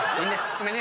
ごめんね。